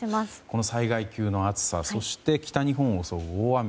この災害級の暑さそして北日本を襲う大雨